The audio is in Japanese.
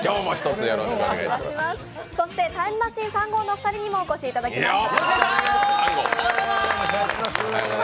そしてタイムマシーン３号のお二人にもお越しいただきました。